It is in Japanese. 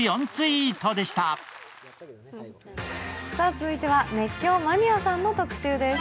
続いては「熱狂マニアさん！」の特集です。